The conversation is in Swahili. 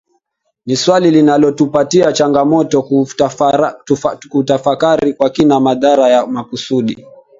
Ni swali linalotupatia changamoto kutafakari kwa kina madhara ya makusudi